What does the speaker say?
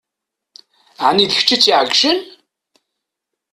Ɛni d kečč i tt-iɛeggcen?